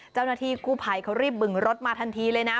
เจ้านาธิกู้ไผก็รีบบึงรถมาทันทีเลยนะ